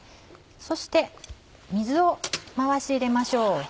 そして水を回し入れましょう。